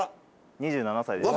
２７歳です。